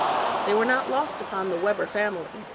They were not lost upon the Webber fam ily.